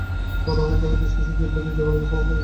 বড় হইতে হইতে শেষে ছিদ্রটি যবনিকার সমান হইয়া যাইবে।